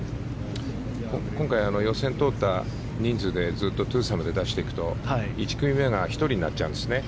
今回、予選を通った人数でずっとツーサムで出していくと１組目が１人になっちゃうんですね。